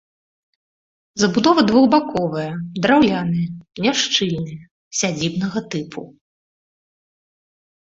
Забудова двухбаковая, драўляная, няшчыльная, сядзібнага тыпу.